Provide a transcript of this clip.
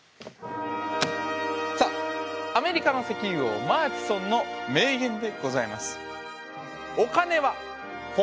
さあアメリカの石油王マーチソンの名言でございます。